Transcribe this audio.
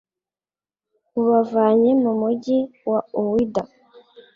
bubavanye mu mugi wa Ouidah,